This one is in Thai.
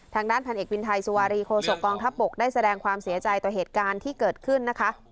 ทางด้านพันเอกวินไทยสุวารีโคศกองทัพบกได้แสดงความเสียใจต่อเหตุการณ์ที่เกิดขึ้นนะคะ